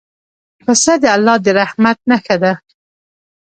پسه د الله د رحمت نښه ده.